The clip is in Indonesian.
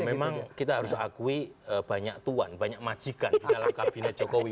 memang kita harus akui banyak tuan banyak majikan di dalam kabinet jokowi